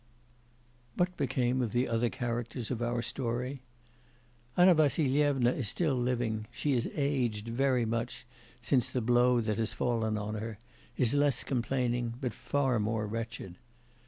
What became of the other characters of our story? Anna Vassilyevna is still living; she has aged very much since the blow that has fallen on her; is less complaining, but far more wretched.